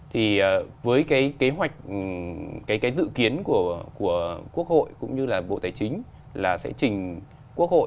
thì với cái kế hoạch cái dự kiến của quốc hội cũng như là bộ tài chính là sẽ chỉ đưa vào trong cái dự thảo luật đó